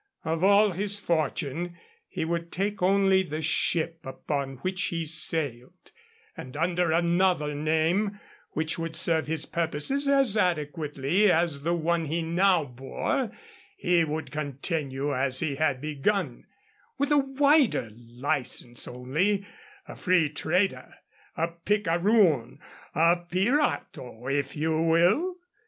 Of all his fortune, he would take only the ship upon which he sailed, and under another name, which would serve his purposes as adequately as the one he now bore, he would continue as he had begun, with a wider license only, a free trader, a picaroon, a pirato, if you will.